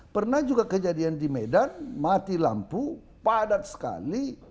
pernah juga kejadian di medan mati lampu padat sekali